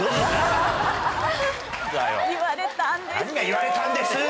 言われたんですよ。